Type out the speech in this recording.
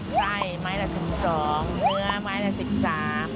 ไส้ไม้ละ๑๒เนื้อไม้ละ๑๓